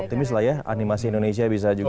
optimis lah ya animasi indonesia bisa juga